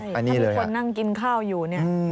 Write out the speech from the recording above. ถ้าเป็นคนนั่งกินข้าวอยู่